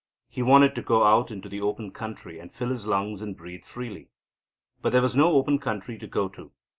He wanted to go out into the open country and fill his lungs and breathe freely. But there was no open country to go to.